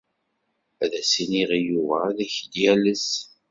Ad as-iniɣ i Yuba ad ak-d-yales.